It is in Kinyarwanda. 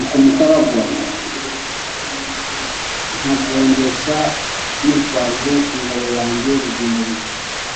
Nshumita bagwaNkagongesha nitwaje ingabo yanjye Rugimbabigwi.